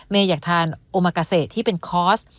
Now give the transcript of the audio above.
อยากทานโอมากาเซที่เป็นคอร์ส